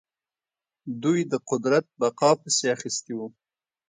دوی د قدرت بقا پسې اخیستي وو.